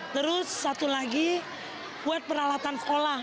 terus satu lagi buat peralatan sekolah